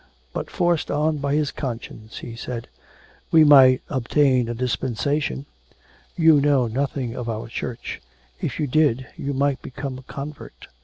But forced on by his conscience, he said: 'We might obtain a dispensation.... You know nothing of our Church; if you did, you might become a convert.